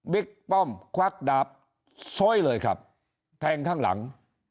ป้อมควักดาบซ้อยเลยครับแทงข้างหลัง